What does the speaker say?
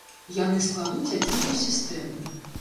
Яны складуць адзіную сістэму.